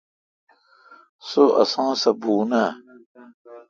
سو اسان سہ بھون اے۔